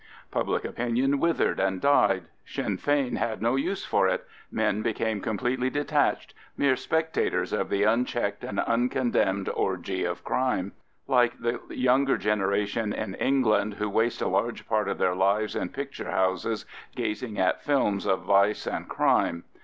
Public opinion withered and died. Sinn Fein had no use for it—men became completely detached, mere spectators of the unchecked and uncondemned orgy of crime; like the younger generation in England, who waste a large part of their lives in picture houses, gazing at films of vice and crime.